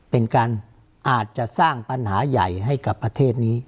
เป็นการอาจจะสร้างปัญหาใหญ่ให้กับประเทศนี้